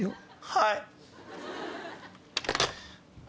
はい！